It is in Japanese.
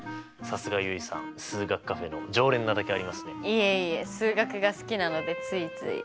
いえいえ数学が好きなのでついつい。